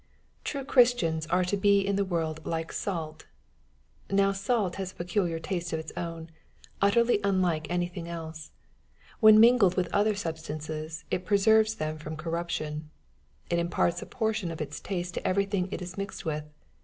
True Christians art to be in the world like adit. Now salt has a peculiar taste of its own^ utterly unlike any thing else. When mingled with other substances, it pre serves them from corruption. It imparts a portion of its taste to everything it is mixed with.